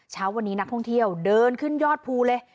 เช้าวันนี้นักท่องเที่ยวเดินขึ้นยอดภูเลย